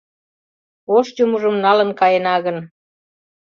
Ош Юмыжым налын каена гын